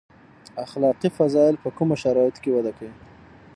اخلاقي فضایل په کومو شرایطو کې وده کوي.